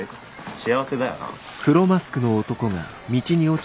幸せだよな。